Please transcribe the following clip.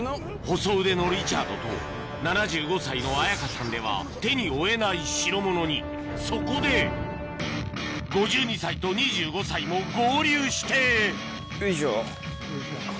細腕のリチャードと７５歳の綾香さんでは手に負えない代物にそこで５２歳と２５歳も合流してよいしょ。